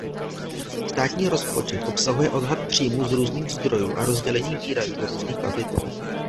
Státní rozpočet obsahuje odhad příjmů z různých zdrojů a rozdělení výdajů do různých kapitol.